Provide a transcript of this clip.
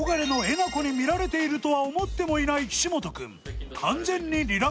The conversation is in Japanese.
なこに見られているとは思ってもいない岸本くん